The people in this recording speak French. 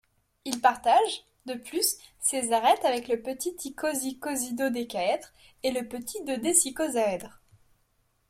Il partage, de plus, ses arêtes avec le petit icosicosidodécaèdre et le petit dodécicosaèdre.